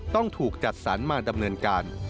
ต้องถูกจัดสรรมาดำเนินการ